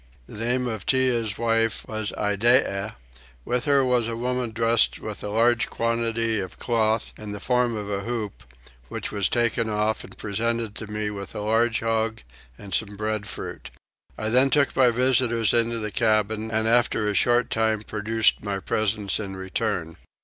The name of Tinah's wife was Iddeah: with her was a woman dressed with a large quantity of cloth in the form of a hoop, which was taken off and presented to me with a large hog and some breadfruit. I then took my visitors into the cabin and after a short time produced my presents in return.